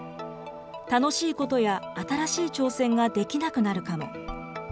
楽しいことや新しい挑戦ができなくなるかも。